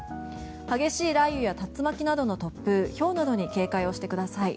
激しい雷雨や竜巻などの突風ひょうなどに注意してください。